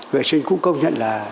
vệ sinh cũng công nhận là